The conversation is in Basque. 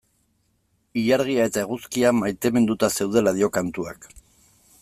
Ilargia eta eguzkia maiteminduta zeudela dio kantuak.